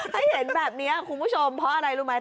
ถ้าเห็นแบบนี้คุณผู้ชมเพราะอะไรรู้ไหม